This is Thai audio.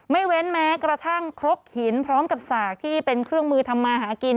ไม่เว้นแม้กระทั่งครกหินพร้อมกับสากที่เป็นเครื่องมือทำมาหากิน